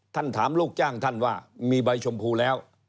ถามลูกจ้างท่านว่ามีใบชมพูแล้ว